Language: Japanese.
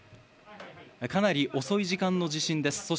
かなり遅い時間の地震です。